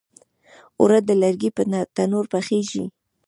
اوړه د لرګي پر تنور پخیږي